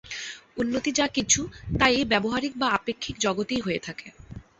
উন্নতি যা কিছু, তা এই ব্যাবহারিক বা আপেক্ষিক জগতেই হয়ে থাকে।